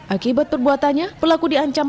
akibat perbuatannya pelaku diancam